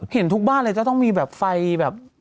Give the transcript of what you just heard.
เห็นทุกบ้านเลยจะต้องมีแบบไฟแบบ